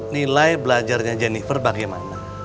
nilai pelajarnya jennifer bagaimana